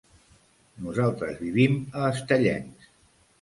Nosaltres vivim a Estellencs.